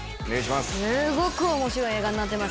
すっごく面白い映画になってます。